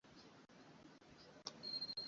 Muwala womugenzi kawere ayitibwa Olivia Kawere.